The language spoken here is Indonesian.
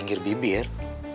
kayaknya dia personen